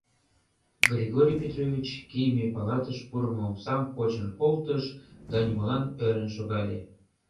Григорий Петрович кийыме палатыш пурымо омсам почын колтыш да нимолан ӧрын шогале.